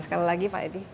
sekali lagi pak edi